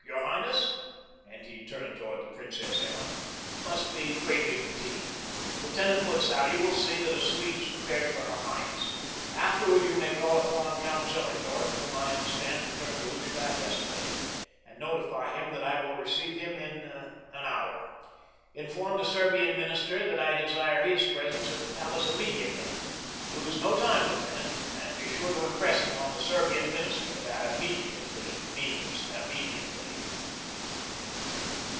Your highness"—and he turned toward the Princess Emma—"must be greatly fatigued. Lieutenant Butzow, you will see that a suite is prepared for her highness. Afterward you may call upon Count Zellerndorf, whom I understand returned to Lustadt yesterday, and notify him that I will receive him in an hour. Inform the Serbian minister that I desire his presence at the palace immediately. Lose no time, lieutenant, and be sure to impress upon the Serbian minister that immediately means immediately."